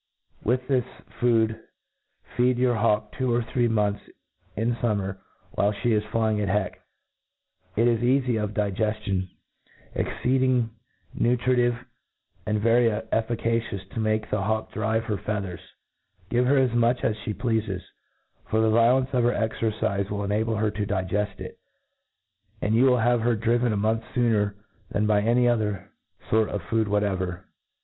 With this food feed your hawk two or three months in fummer while flic IS flying at heck. It is eafy of digeftion, exceed ing nutritive, and very efEcacious to make the hawk drive her feathers. Give her as much as fhe pleafes ; for the violence of her cxcrcife will enable her to digcfl: It, and you will have her driven MODERN FAULC0NRY. 1^9 idriyep a month fooncr than by any other fort of food whatever.